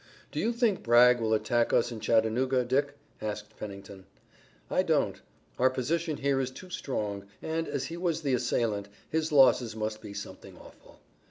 "Do you think Bragg will attack us in Chattanooga, Dick?" asked Pennington. "I don't. Our position here is too strong, and, as he was the assailant, his losses must be something awful.